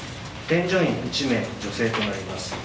添乗員１名、女性となります。